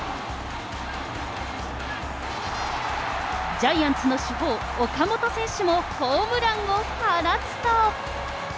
ジャイアンツの主砲、岡本選手もホームランを放つと。